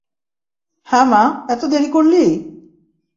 হ্যাঁ মা, এত দেরি করলি?